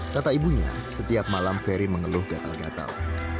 kata ibunya setiap malam ferry mengeluh gatel gatel